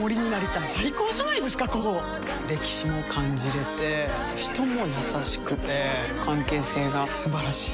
歴史も感じれて人も優しくて関係性が素晴らしい。